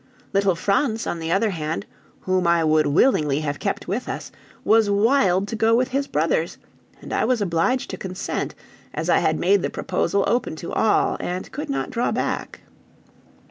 Little Franz, on the other hand, whom I would willingly have kept with us, was wild to go with his brothers, and I was obliged to consent, as I had made the proposal open to all, and could not draw back.